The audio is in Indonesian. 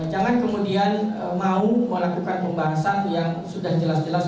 jangan kemudian mau melakukan pembahasan yang sudah jelas jelas